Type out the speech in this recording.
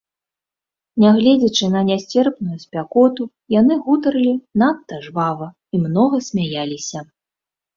Нягледзячы на нясцерпную спякоту, яны гутарылі надта жвава і многа смяяліся.